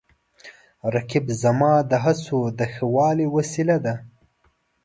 رقیب زما د هڅو د ښه والي وسیله ده